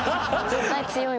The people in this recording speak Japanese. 絶対強い。